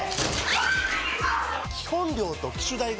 基本料と機種代が